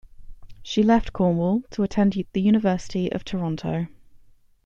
She left Cornwall to attend the University of Toronto.